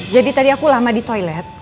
jadi tadi aku lama di toilet